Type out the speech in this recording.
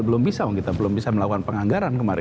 belum bisa kita belum bisa melakukan penganggaran kemarin